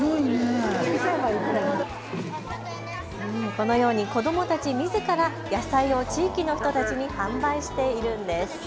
このように子どもたちみずから野菜を地域の人たちに販売しているんです。